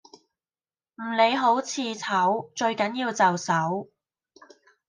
唔理好似醜最緊要就手